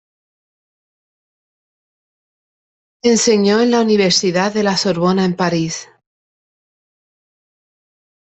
Enseñó en la Universidad de la Sorbona en Paris.